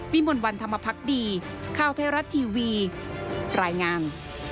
มนต์วันธรรมพักดีข้าวไทยรัฐทีวีรายงาน